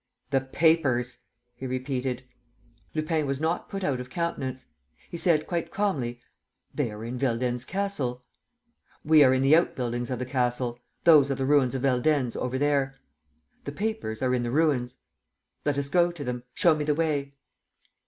"The papers," he repeated. Lupin was not put out of countenance. He said, quite calmly: "They are in Veldenz Castle." "We are in the out buildings of the castle. Those are the ruins of Veldenz, over there." "The papers are in the ruins." "Let us go to them. Show me the way."